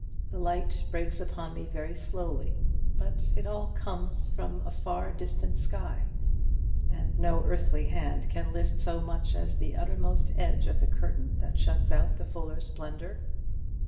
The light breaks upon me very slowly; but it all comes from a far distant sky; and no earthly hand can lift so much as the uttermost edge of the curtain that shuts out the fuller splendour.